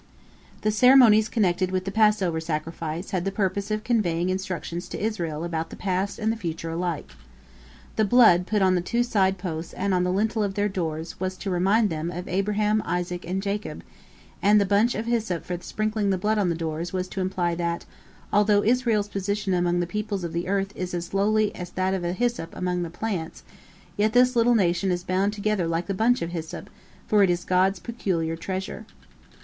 " The ceremonies connected with the Passover sacrifice had the purpose of conveying instruction to Israel about the past and the future alike. The blood put on the two side posts and on the lintel of their doors was to remind them of Abraham, Isaac, and Jacob; and the bunch of hyssop for sprinkling the blood on the doors was to imply that, although Israel's position among the peoples of the earth is as lowly as that of the hyssop among the plants, yet this little nation is bound together like the bunch of hyssop, for it is God's peculiar treasure.